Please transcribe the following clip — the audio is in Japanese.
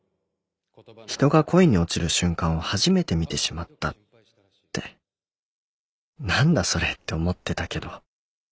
人が恋に落ちる瞬間を初めて見てしまったって何だそれって思ってたけど